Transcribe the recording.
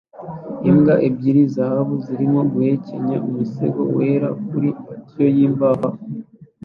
imbwa ebyiri zahabu zirimo guhekenya umusego wera kuri patio yimbaho